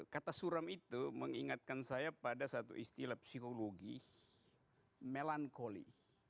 kata suram itu mengingatkan saya pada satu istilah psikologi melankoli